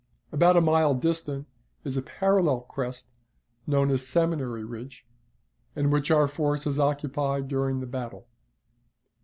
About a mile distant is a parallel crest, known as Seminary Ridge, and which our forces occupied during the battle.